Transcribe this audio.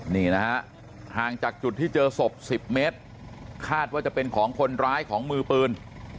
นี่นะฮะห่างจากจุดที่เจอศพ๑๐เมตรคาดว่าจะเป็นของคนร้ายของมือปืน